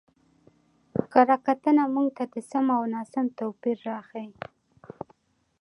کره کتنه موږ ته د سم او ناسم توپير راښيي.